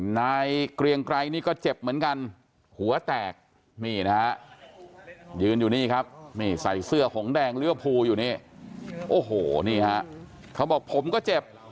นายเกรียงไกรนี่ก็เจ็บเหมือนกันหัวแตกนี่นะฮะยืนอยู่นี่ครับนี่ใส่เสื้อหงแดงเลื้อพูอยู่นี่โอ้โหนี่ฮะเขาบอกผมก็เจ็บ